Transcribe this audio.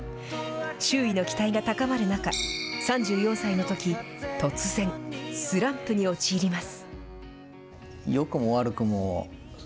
周囲の期待が高まる中、３４歳のとき、突然、スランプに陥ります。